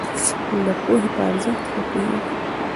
موږ د پوهې په ارزښت ښه پوهېږو.